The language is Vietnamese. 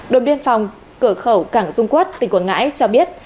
đồn biên phòng cửa khẩu cảng dung quốc tỉnh quảng ngãi cho biết